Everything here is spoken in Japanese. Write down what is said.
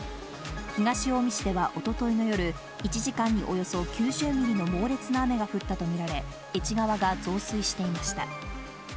東近江市ではおとといの夜、１時間におよそ９０ミリの猛烈な雨が降ったと見られ、愛知川が増水していました。